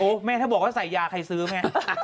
แม่ถ้าบอกว่าใส่ยาใครซื้อไง